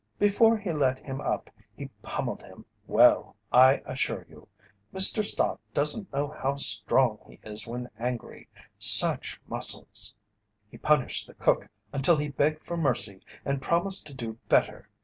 Before he let him up he pummelled him well, I assure you. Mr. Stott doesn't know how strong he is when angry. Such muscles! "He punished the cook until he begged for mercy and promised to do better.